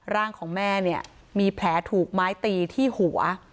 ร่างของแม่เนี่ยมีแผลถูกไม้ตีที่หัว